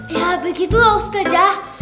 ya begitulah ustadzah